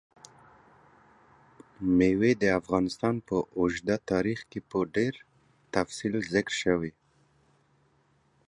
مېوې د افغانستان په اوږده تاریخ کې په ډېر تفصیل ذکر شوي.